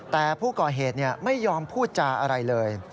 แต่ผู้ก่อเหตุไม่ยอมพูดจาอะไรเลย